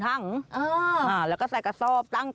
ถังแล้วก็ใส่กระสอบตั้ง